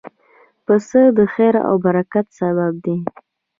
پسه د خیر او برکت سبب دی.